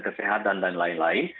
kesehatan dan lain lain